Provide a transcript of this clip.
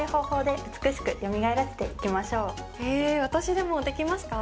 へえ私でもできますか？